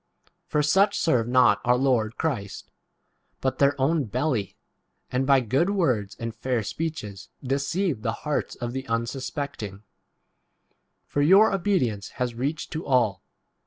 For such serve not our Lord i Christ, but their own belly, and by good words and fair speeches de ceive r the hearts of the unsus 19 pecting. For your obedience has reached to all.